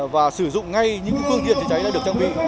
và sử dụng ngay những phương tiện chữa cháy đã được trang bị